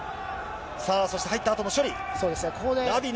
そして、入ったあとの処理。